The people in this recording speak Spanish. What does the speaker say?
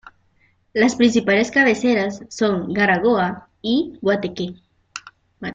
Las principales cabeceras son Garagoa y Guateque.